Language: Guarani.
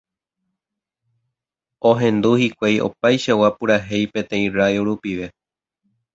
Ohendu hikuái opaichagua purahéi peteĩ radio rupive.